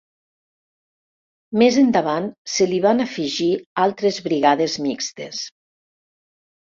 Més endavant se li van afegir altres brigades mixtes.